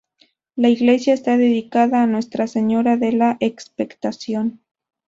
La iglesia está dedicada a Nuestra Señora de la Expectación.